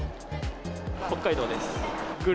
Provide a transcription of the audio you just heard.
北海道です。